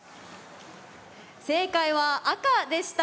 正解は赤でした。